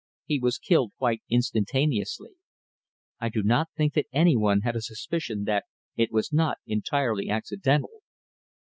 He was killed quite instantaneously. I do not think that any one had a suspicion that it was not entirely accidental."